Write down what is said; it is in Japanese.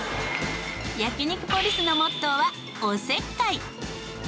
焼肉ポリスのモットーはおせっかい。